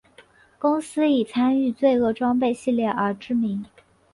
公司以参与罪恶装备系列而知名。